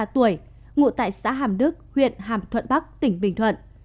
ba mươi tuổi ngụ tại xã hàm đức huyện hàm thuận bắc tỉnh bình thuận